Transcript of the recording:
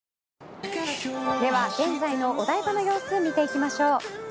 では、現在のお台場の様子を見ていきましょう。